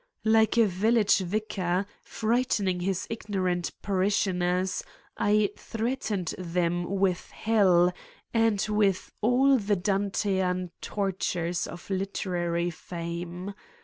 Like a village vicar, frightening his igno rant parishioners, I threatened them with Hell and with all the Dantean tortures of literary fame.